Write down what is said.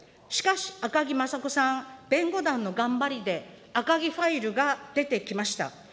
しかし、赤木雅子さん、弁護団の頑張りで、赤木ファイルが出てきました。